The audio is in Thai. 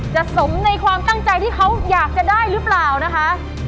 สมในความตั้งใจที่เขาอยากจะได้หรือเปล่านะคะ